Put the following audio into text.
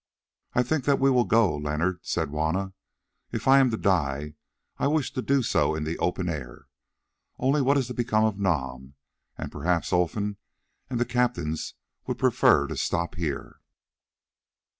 "I think that we will go, Leonard," said Juanna; "if I am to die I wish to do so in the open air. Only what is to become of Nam? And perhaps Olfan and the captains would prefer to stop here?"